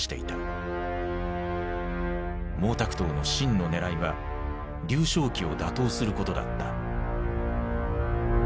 毛沢東の真のねらいは劉少奇を打倒することだった。